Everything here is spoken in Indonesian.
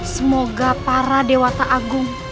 semoga para dewata agung